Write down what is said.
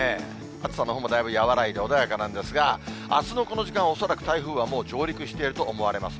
暑さのほうもだいぶ和らいで穏やかなんですが、あすのこの時間は恐らく台風はもう、上陸していると思われます。